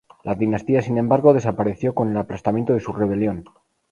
La dinastía, sin embargo, desapareció con el aplastamiento de su rebelión.